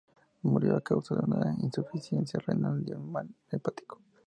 Murió a causa de una insuficiencia renal y de un mal hepático.